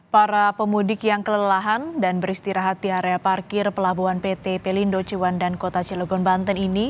para pemudik yang kelelahan dan beristirahat di area parkir pelabuhan pt pelindo ciwandan kota cilegon banten ini